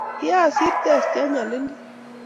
kiasir testi anyalilii